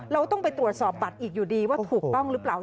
เราต้องไปตรวจสอบบัตรอีกอยู่ดีว่าถูกต้องหรือเปล่า